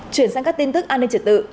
chuyển sang các tin tức an ninh trật tự